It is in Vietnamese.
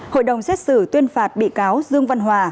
hội đồng xét xử tuyên phạt bị cáo dương văn hòa